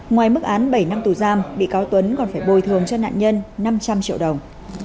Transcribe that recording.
ngoài mức án bảy năm tù giam bị cáo tuấn còn phải bồi thường cho nạn nhân năm trăm linh triệu đồng